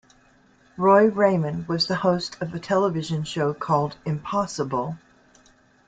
Roy Raymond was the host of a television show called Impossible...